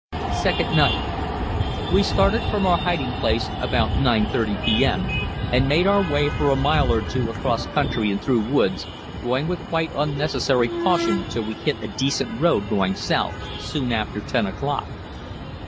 Second Night. We started from our hiding place about 9.30 p.m. and made our way for a mile or two across country and through woods, going with quite unnecessary caution till we hit a decent road going south, soon after ten o'clock.